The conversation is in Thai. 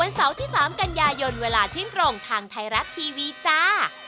เสาร์ที่๓กันยายนเวลาเที่ยงตรงทางไทยรัฐทีวีจ้า